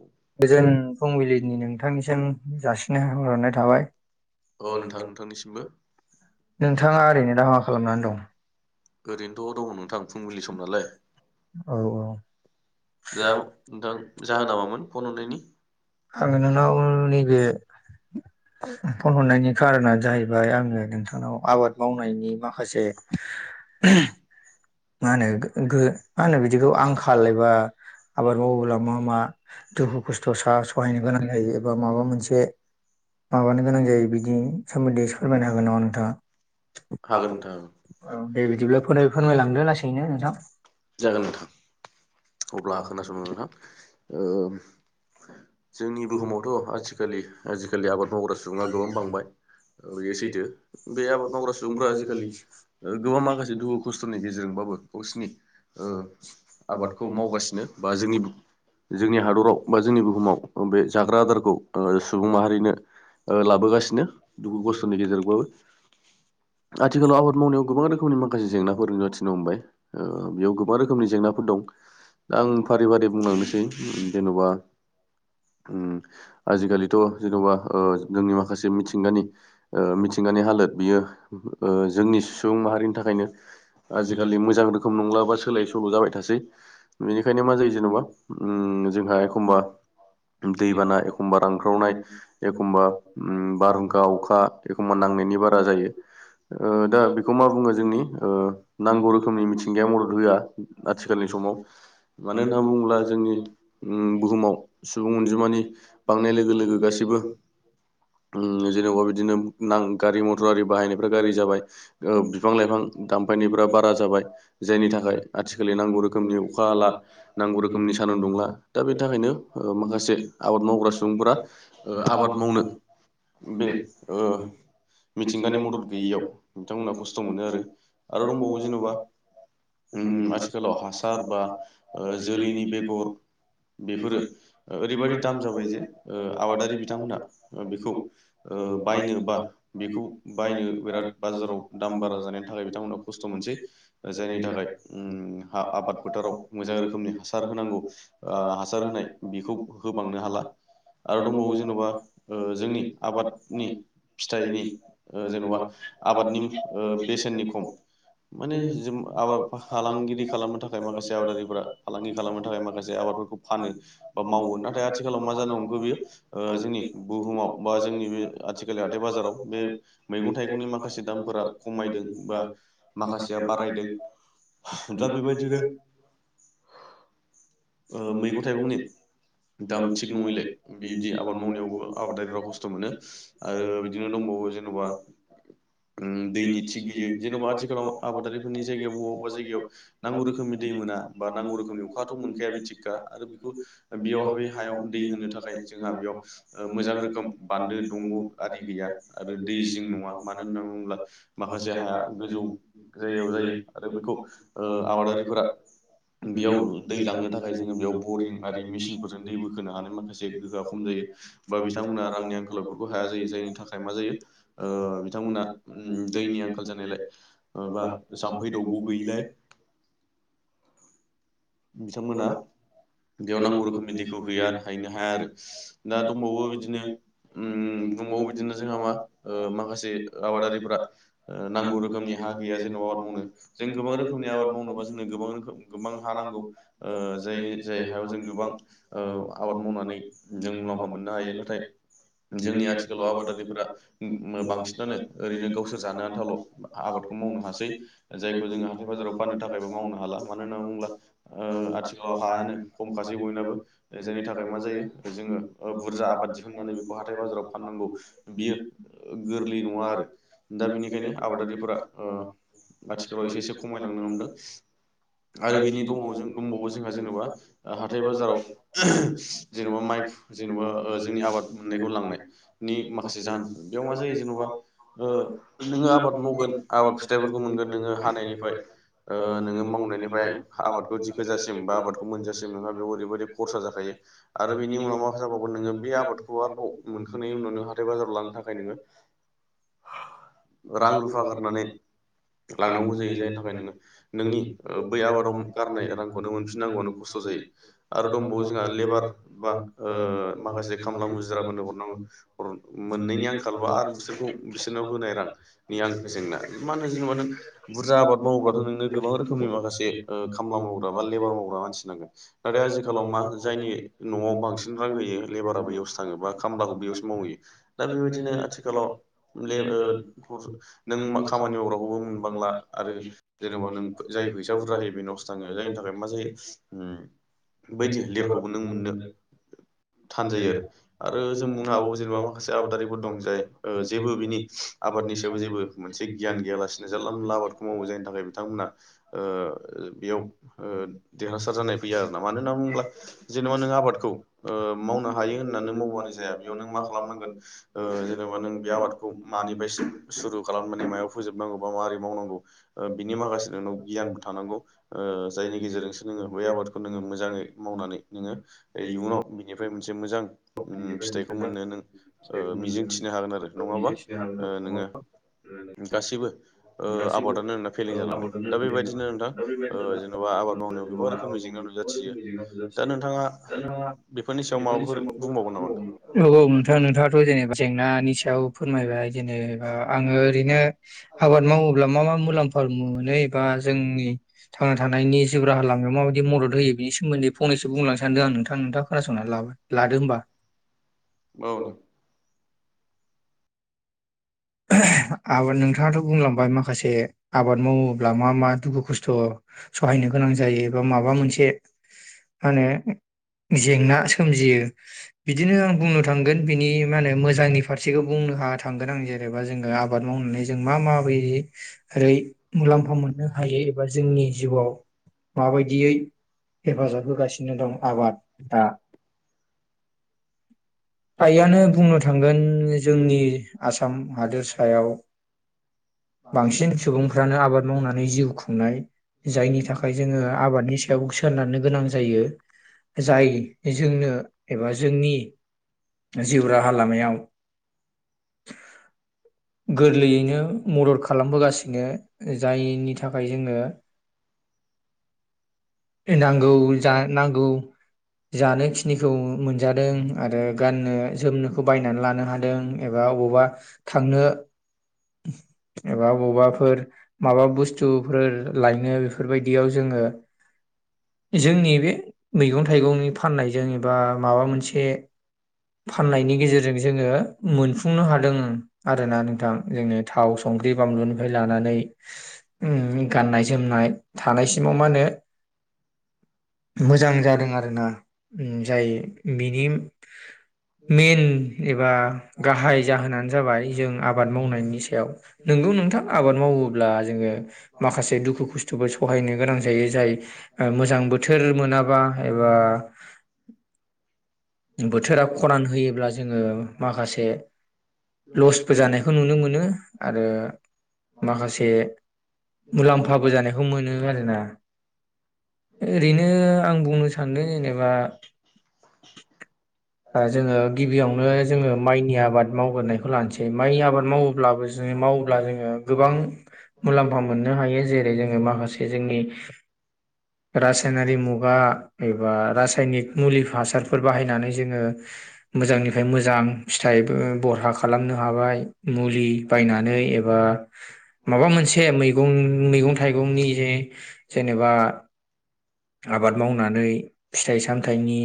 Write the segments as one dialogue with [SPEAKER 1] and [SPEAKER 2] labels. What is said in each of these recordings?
[SPEAKER 1] अ
[SPEAKER 2] गोजोन फुंबिलिनि नोंथांनिसिम जासिनाय हरनाय थाबाय
[SPEAKER 1] अ नोंथां नोंथांनिसिमबो
[SPEAKER 2] नोंथाङा ओरैनो दा मा खालामनानै दं
[SPEAKER 1] ओरैनोथ' दङ नोंथां फुंबिलि सम नालाय
[SPEAKER 2] [inaudible] औ औ
[SPEAKER 1] दा नोंथां
[SPEAKER 2] [unintelligible]
[SPEAKER 1] जाहोना मामोन फन हरनायनि
[SPEAKER 2] आङो नोंनाव नैबे [inaudible] फन हरनायनि खारना जाहैबाय आङो नोंथांनाव आबाद मावनायनि माखासे [unintelligible] मा होनो गो मा होनो बिदिखौ आंखाल एबा आबाद मावोब्ला मा मा दुखु खस्थ' सा सहायनो गोनां जायो एबा माबा मोनसे माबानो गोनां जायो बेबिनि सोमोन्दै एसे फोरमायनो हागोन नामा नोंथाङा हागोन दे नोंथां ओं दे बिदिब्ला फोरमाय फोरमायलां [unintelligible] नोंथां
[SPEAKER 1] जागोन नोंथां अब्ला खोनासंदो नोंथां जोंनि बुहुमावथ' आथिखालि आजिखालि आबाद मावग्रा सुबुङा गोबां बांबाय ओ बेयो सैथो बे आबाद मावग्रा सुबुंफ्रा आजिखालि ओ गोबां माखासे दुखु खस्थ'नि गेजेरजों बाबो गावसिनि ओ आबाद खौ मावगासिनो बा जोंनि जोंनि हादराव बा जोंनि बुहुमाव बे जाग्रा आदारखौ ओ सुबुं माहारिनो ओ लाबोगासिनो दुखु खस्थ'नि गेजेरजोंबाबो आथिखालाव आबाद मावनायाव गोबां रोखोमनि माखासे जेंनाफोर नुजाथिनो हमबाय ओ बेयाव गोबां रोखोमनि जें नाफोर दं दा आं फारि फारि बुंलांनोसै जेन'बा उम आजिखालिथ' जेन'बा ओ जोंनि माखासे मिथिंगानि ओ मिथिं गानि हालोद बियो ओ जोंनि सुबुं माहारिनि थाखायनो आजिखालि मोजां रोखोम नंला बा सोलाय सोल' जाबाय थासै बेनिखायनो मा जायो जेनेबा उ जोंहा एखमबा दैबाना एखमबा रानख्रावनाय एखमबा बारहुंखा अखा एखमबा नांनाय नि बारा जायो दा बेखौ मा बुङो जोंनि नांगौ रोखोमनि मिथिंगाया मदद होआ आथिखालनि समाव मानो होनना बुङोब्ला जोंनि बुहुमाव सुबुं अनजिमानि बांनाय लोगो लोगो गासैबो उम जेन'बा बिदिनो गारि मथर आरि बाहायनायफ्रा गारि जाबाय, बिफां लाइफां दामफायनायफ्रा बारा जाबाय जायनि थाखाय आथिखालनि नांगौ रोखोमनि अखा हाला नांगौ रोखोमनि सानदुं दुंला दा बेनि थाखायनो माखासे आबाद मावग्रा सुबुंफोरा आबाद मावनो बे ओ मिथिंगानि मदद गैयियाव बिथांमोनहा खस्थ' मोनो आरो आरो दंबावो जेन'बा उम आथिखालाव हासार बा जोलैनि बेगर बेफोरो ओरैबादि दाम जाबाय जे ओ आबादारि बिथांमोनहा बेखौ बायनो बा बेखौ बायनो बिराद बाजाराव दाम बारा जानायनि थाखाय बिथांमोना खस्थ' मोनसै जायनि थाखाय उम आबाद फोथाराव मोजां रोखोमनि हासार होनांगौ ओ हासार होनाय बेखौ होबांनो हाला आरो दंबावो जेन'बा जोंनि आबादनि फिथाइनि ओ जेन'बा आबादनि ओ बेसेननि खम माने जों आबाद फालांगिरि खालामनो थाखाय माखासे आबादारि फोरा फालांगि खालामनो थाखाय माखासे आबादफोरखौ फानो। बा मावो नाथाय आथिखालाव मा जानोंखो बियो ओ जोंनि बुहुमाव बा जोंनि बे आथिखालनि हाथाय बाजार बाजाराव बे मैगं थाइगंनि माखासे दामफोरा खमायदों बा माखासेया बारायदों। दा बिबादिनो मैगं थाइगंनि दाम थिग नङैलाय बिदि आबाद मावनायावबो आबादारिफ्रा खस्थ' मोनो आरो बिदिनो दंबावो वो जेनबा उम दैनि थिग गैयै जेन'बा आथिखालाव आबादारिफोरनि जायगायाव बबा बबेबा जायगायाव नांगौ रोखोमनि दै मोना बा नांगौ रोखोमनि अखाखौाथ' मोनखाया बि आरो बेयाव हायाव दै होनो थाखाय जोंहा बेयाव मोजां रोखोम बानलु आरो दंग' आरि गैया आरो दै जिं नङा मानो होननानै बुङोब्ला माखासे हाया गोजौ जायगायाव जायो आरो बेखौ ओ आबादारिफोरा
[SPEAKER 2] [inaudible]
[SPEAKER 1] बेयाव दै लांनो थाखाय जोङो बेयाव बरिं आरि मिसिनफोरजों दै बोखोनो हानाय माखासे गोहोआ खम जायो बा बिथांमोना रांनि आं खालफोरावबो हाया जायो जायनि थाखाय मा जायो ओ बिथांमोनहा उम दैनि आंखाल जानायलाय माबा जाम्फै दौग' गैयिलाय
[SPEAKER 2] [inaudible]
[SPEAKER 1] बिथांमोना बेयाव नांगौ रोखोमनि दैखौ हैया हैनो हाया आरो दा दंबावो बिदिनो उम बुंंबावो बिदिनो जोंहा मा ओ माखासे आबादारिफोरा नांगौ रोखोमनि हा गैया जेनबा आबाद मावनो जों गोबां रोखोमनि आबाद मावनोबा जोंनो गोबां रोखोम गोबां हा नांगौ। ओ जायनि जाय हायाव जों गोबां ओ आबाद मावनानै जों मुलाम्फा मोननो हायो नाथाय जोंनि आथिखालाव आबादारिफोरा बांसिनानो ओरैनो गावसोर जानो आन्थावाल' आबाद खौ मावनो हासै जायखौ जोङो हाथाय बाजाराव फाननो थाखायबो मावनो हाला मानो होननानै बुंब्ला ओ आथिखालाव हायानो खमखासै बयनाबो जायनि थाखाय मा जायो जोङो ओ बुरजा आबाद दि थांनानै बेखौ हाथाय बाजाराव फाननांगौ बियो गोरलै नङा आरो। दा बेनिखायनो आबादारिफोरा ओ आथिखालाव एसे एसे खमायलांनो हमदों आरो बिनि दङ जों दंबावो जोंहा जेन'बा हाथाय बाजाराव जेन'बा माइ जेनेबा जोंनि आ बाद मोननायखौ लांनायनि माखासे जाहोन बेयाव मा जायो जेन'बा ओ नोङो आबाद मावगोन आबाद फिथाइफोरखौ मोनगोन नोङो हानायनिफाय ओ नोङो मावनायनिफ्राय आबादखौ दिह गोजानसिम बा आबाखौ मोनजासिम नोंना बेयाव ओरैबायदि खरसा जाखायो आरो बेनि उनाव मा जाबावोन नोङो बे आबाद खौ आरोबाव मोनखांनायनि उनाव नों हाथाय बाजाराव लांनो थाखाय नोङो रां रुफा होननानै लांनांगौ जायो जायनि थाखाय नोङो नोंनि बै आबादाव गारनाय रांखौनो मोनफिननांगौआनो खस्थ' जायो आरो दंबावो जोंहा लेबार बा माखासे खामला मुजिराफोरनो हरनांगौ मोननैनि आंखालबो आरो बिसोरखौ बिनाव होनाय रांनि आंनि जेंना मा होनो जेनेबा नों बुरजा आबाद मावोबाथ' नोंनो गोबां रोखोम माखासे खामला मावग्रा बा लेबार मावग्रा मानसि नांगोन नाथाय आजिखालाव मा जायनि न'आव बांसिन रां होयो लेबारा ब बेयावसो थाङो बा खामलाखौ बेयावसो मावहैयो दा बेबायदिनो आथिखालाव नों खामानि मावग्राखौबो मोनबांला आरो जेनेबा नों जाय फैसा बुरजा होयो बे नावसो थाङो जायनि थाखाय मा जायो बायदि लिरखौबो नों मोननो थानजायो आरो आरो जों बुंनो हागाबावो जेनेबा माखासे आबादारिफोर दं जाय जेबो बिनि आबादनि सायावबो जेबो मोनसे गियान गैयालासिनो जानला मोनला आबादखौ मावो जायनि थाखाय बिथांमोना
[SPEAKER 2] [unintelligible]
[SPEAKER 1] बेयाव देरहासार जानाय फैया आरोना मानो होनना बुङोब्ला जेनेबा जोङो आबादखौ नो मावनो हायो होनना नों मावबानो जाया बेयाव मा खालामनांगोन जेनेबा न आबादखौ सुरु खालामनानै मायाव फोजोबनांगौ बा माबोरै मावनांगौ बिनि माखासे नोंनाव गियानबो थानांगौ जायनि गेजेरजोंसो नोङो बै आबादखौ नोङो मोजाङै मावनानै नोङो इयुनाव बिनिफ्राय मोनसे मोजां फिथाइखौ मोननो नों मिजिं थिनो हागोन आरो नङाबा नोङो गासिबो आबादानो फेलें जालांगोन दा बेबायदिनो नोंथां जेन'बा आबाद मावनायाव गोबां रोखोमनि जेंना नुजाथियो
[SPEAKER 2] [unintelligible]
[SPEAKER 1] दा नोंथाङा बेफोरनि सायाव माबाफोर बुंबावगोन नामा नोंथां?
[SPEAKER 2] औ औ नोंथां नोंथाङाथ' जेनेबा जेंनानि सायाव फोरमायबाय जेनेबा आङो ओरैनो आबाद मावोब्ला मा मा मुलाम्फ धर्म मोनै बा जोंनि थांना थानायनि जेबो राहा लामायाव माबायदि मदद होयोनि सोमोन्दै फंनै बुंलां सानदों आं नोंथां नोंथाङा खोनासंनानै लादो होमबा
[SPEAKER 1] [unintelligible]
[SPEAKER 2] आबाद नोंथाङाथ' बुंलांबाय माखासे आबाद मावोब्ला मा मा दुखु खस्थ' सहायनो गोनां जायो एबा माबा मोनसे होनो जेंना सोमजियो बिदिनो आं बुंनो थांगोन बिनि मा होनो मोजांनि फारसेखौ बुंनो हा थांगोन आं जेरै एबा जोङो आबाद मावनानै जों मा माबाय ओरै मुलाम्फा मोननो हायो एबा जोंनि जिउआव माबायदियै हेफाजाब होगासिनो दं आबाद दा आइआनो बुंनो थांगोन जोंनि आसाम आसाम हादोरसायाव बांसिन सुबुंफ्रानो आबाद मावनानै जिउ खुंनाय जायनि थाखाय जोङो आबादनि सायाव सोनारनो गोनां जायो जाय जोंनो एबा जोंनि जिउ राहा लामायाव [inaudible] गोरलैयैनो मदद खालामबोगासिनो जायनि थाखाय जोङो [unintelligible] नांगौ जा नांगौ जानोखिनिखौ मोनजादों आरो गाननो जोमनोखौ बायनानै लानो हादों एबा अबेबा बा थांनो एबा अबावबाफोर माबा बुस्थुफोर लायनो बेफोरबायदियाव जोंङो जोंनि बे मैगं थाइगंनि फाननायजों एबा माबा मोनसे फाननायनि गेजेरजों जोंङो मोनफुंनो हा दों आरोना नोंथां जोंनि थाव संख्रि बानलुनिफ्राय लानानै ओम गाननाय जोमनाय थानायसिमाव मा होनो मोजां जादों आरोना ओम जाय बिनि मेन एबा गाहाय जाहोनानो जाबाय जों आबाद मावनायनि सायाव नोंगौ नोंथां आबाद मावोब्ला जोंङो माखासे दुखु खस्थ'बो सहायनो गोनां जायो जाय ओ मोजां बोथोर मोनाबा एबा बोथोरा खरान होयोब्ला जोंङो माखासे लसबो जानायखौ नुनो मोनो आरो माखासे मुलाम्फाबो जानायखौ मोनो आरोना ओरैनो आं बुंनो सानदों जेनेबा ओ जोंङो गिबियावनो जोंङो माइनि आबाद मावग्रोनायखौ लानोसै माइनि आबाद मावोब्लाबो जों मावोब्ला जोंङो गोबां मुलाम्फा मोननो हायो जेरै जोंङो माखासे जोंनि रासायनारि मुगा एबा रासायनिक मुलि हासारफोर बाहायनानै जोंङो मोजांनिफ्राय मोजां फिथाइ बरहा खालामनो हाबाय। मुलि बायनानै एबा माबा मोनसे मैगं मैगं थाइगंनि जे जेनेबा आबाद मावनानै फिथाइ सामथाइनि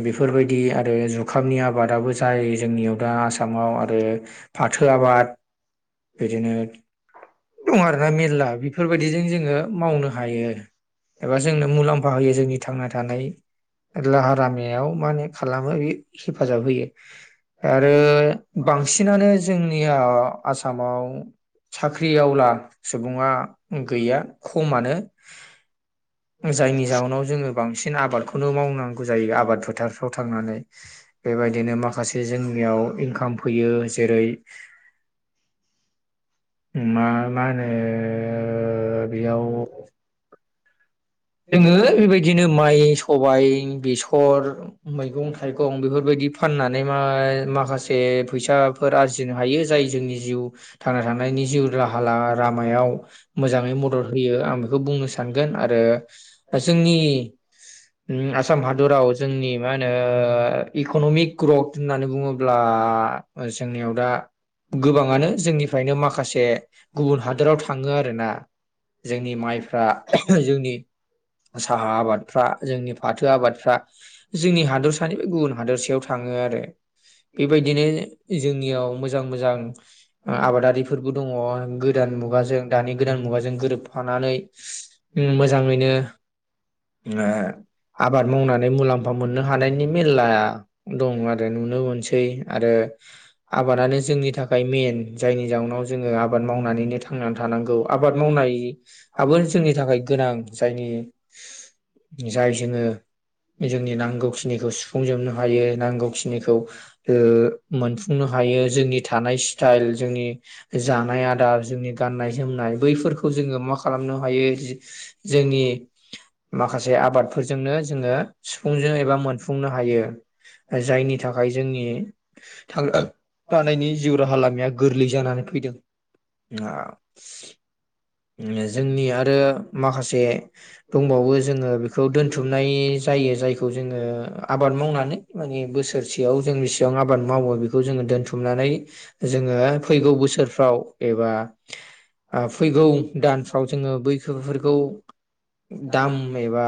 [SPEAKER 2] [inaudible] बेफोरबायदि आरो जुखामनि आबादाबो जायो जोंनियाव दा आसामाव आरो फाथोआ आबाद बिदिनो दं आरोना मेर्ला बेफोरबायदिजों जोंङो मावनो हायो एबा जोंनो मुलाम्फा होयो जोंनि थांना थानाय लाहा रामायाव माने खालामो बे हेफाजाब होयो। आरो बांसिनानो जोंनिया आसामाव साख्रिआवला सुबुङा गैया खमानो जायनि जाहोनाव जोंङो बांसिन आबादखौनो मावनां गौ जायो आबाद फोथारफ्राव थांनानै बेबायदिनो माखासे जोंनियाव इनकाम फैयो। जेरै मा मा होनो बेयाव जोंङो बेबायदिनो माइ सबाइ बेसर मैगं थाइगं बेफोरबायदि दि फाननानै मा माखासे फैसाफोर आरजिनो हायो जाय जोंनि जिउ थांना था नायनि जिउ राहा लामायाव मोजाङै मदद होयो आं बेखौ बुंनो सानगोन आरो जोंनि ओम आसाम हादराव जोंनि मा होनो इक'नमिक ग्रथ होननानै बुङोब्ला आ जोंनियाव दा गोबाङानो जोंनिफ्रायनो माखासे गुबुन हादोराव थाङो आरोना जोंनि माइफ्रा जोंनि साहा आबादफ्रा जोंनि फाथो आबादफ्रा जोंनि हादरसानि बे गुबुन हादोरसायाव थाङो रो बेबायदिनो जोंनियाव मोजां मोजां आबादारिफोरबो दङ गोदान मुगाजों दानि गोदान मुगाजों गोरोबफानानै मोजाङैनो ओ आबाद मावनानै मुलाम्फा मोननो हानायनि मेलला दं आरो नुनो मोनसै आरो [inaudible] आबादानो जोंनि थाखाय मेन जायनि जाउनाव जोङो आबाद मावनानैनो थांनानै थानांगौ आबाद माव बाय हाबो जोंनि थाखाय गोनां जायनि जाय जोङो जोंनि नांगौखिनिखौ सुफुंजोबनो हायो नांगौखिनिखौ ओम मोनफुंनो हायो जोंनि थानाय स्टाइल जोंनि जानाय आदार जोंनि गाननाय जोमनाय बैफोरखौ जोङो मा खालामनो हायो जोंनि माखासे आबादफोरजोंनो जोङो सुफुंजों एबा मोनफुंनो हायो जायनि थाखाय जोंनि थां थानायनि जिउ राहा लामाया गोरलै जानानै फैदों जोंनि आरो माखासे दंबावो जोङो बेखौ दोनथुमनाय जायो जायखौ जोङो आबाद मावनानै माने बोसोरसेयाव जोंनि सिगां आबाद मावो बेखौ जोङो दोनथुमनानै जोङो फैगौ बोसोरफ्राव एबा ओ फैगौ फाव जोङो बैफोरखौ दाम एबा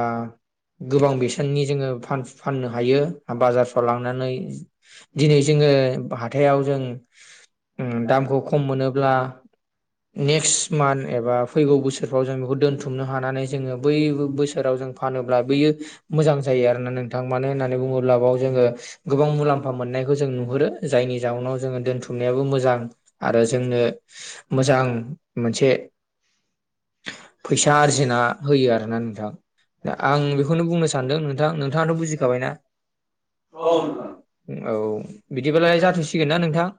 [SPEAKER 2] गोबां बेसेननि जोङो फाननो हायो बाजारफ्राव लांनानै दिनै जोङो हाथायाव जों उम दामखौ खम मोनोब्ला नेक्स्ट मान्थ एबा फैगौ बोसोरफ्राव जों बेखौ दोनथुम नो हानानै जोङो बै बोसोराव जों फानोब्ला बैयो मोजां जायो आरोना नोंथां मानो होननानै बुं गुरलाबआव जोङो गोबां मुलाम्फा मोननायखौ जों नुहुरो जायनि जाउनाव जोङो दोनथुमनायाबो मोजां आरो जोंनो मोजां मोनसे फैसा आरजिना होयो आरोना नोंथां दा आं बेखौनो बुंनो सानदों नोंथां नोंथाङाथ' बुजिखाबायना औ
[SPEAKER 1] नोंथां
[SPEAKER 2] नोंथां औ बिदिब्लालाय जाथ'सिगोन ना नोंथां